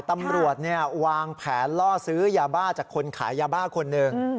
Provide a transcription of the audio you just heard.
ตำรวจวางแผนล่อซื้อยาบ้าจากคนขายยาบ้าคนหนึ่ง